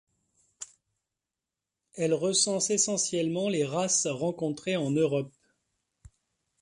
Elle recense essentiellement les races rencontrées en Europe.